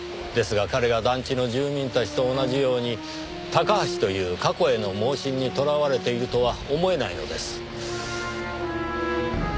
ですが彼が団地の住民たちと同じようにタカハシという過去への妄信にとらわれているとは思えないのです。